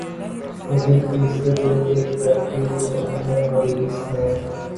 لیکن تیسرے دن ایک فیکٹری کے اندر پولیس نے